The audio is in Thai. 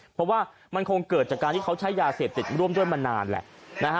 เพราะว่ามันคงเกิดจากการที่เขาใช้ยาเสพติดร่วมด้วยมานานแหละนะฮะ